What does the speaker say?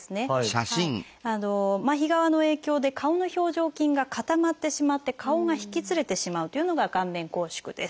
麻痺側の影響で顔の表情筋が固まってしまって顔が引きつれてしまうというのが顔面拘縮です。